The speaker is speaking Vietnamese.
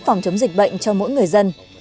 phòng chống dịch bệnh cho mỗi người dân